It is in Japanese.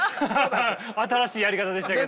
新しいやり方でしたけど。